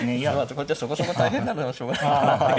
こっちはそこそこ大変なのはしょうがないかなっていう。